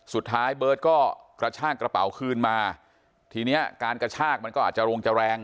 สุดท้ายเบิร์ตก็กระชากกระเป๋าคืนมาทีเนี้ยการกระชากมันก็อาจจะโรงจะแรง